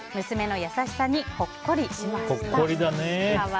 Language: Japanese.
娘の優しさにほっこりしました。